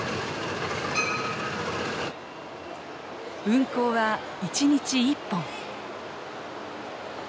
運行は１日１本。